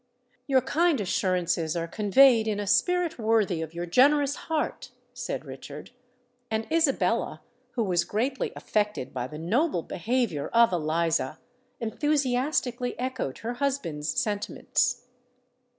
"Your kind assurances are conveyed in a spirit worthy of your generous heart," said Richard;—and Isabella, who was greatly affected by the noble behaviour of Eliza, enthusiastically echoed her husband's sentiments.